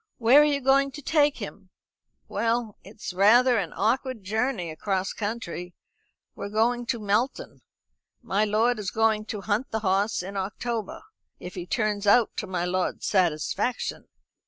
"Where are you going to take him?" "Well, it's rather an awkward journey across country. We're going to Melton. My lord is going to hunt the hoss in October, if he turns out to my lord's satisfaction."